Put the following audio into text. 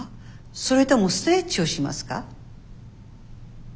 それともストレッチをしますか？